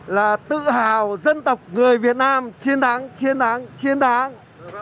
là tự hào dân tộc người việt nam chiến thắng chiến thắng chiến đáng